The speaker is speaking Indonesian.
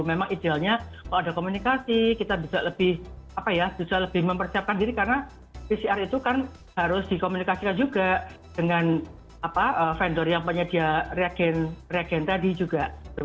memang idealnya kalau ada komunikasi kita bisa lebih mempersiapkan diri karena pcr itu kan harus dikomunikasikan juga dengan vendor yang penyedia reagen tadi juga